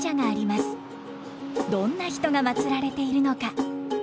どんな人がまつられているのか。